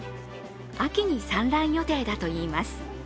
秋に産卵予定だといいます。